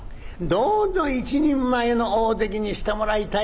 どうぞ一人前の大関にしてもらいたい』。